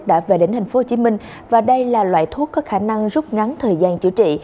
đã về đến tp hcm và đây là loại thuốc có khả năng rút ngắn thời gian chữa trị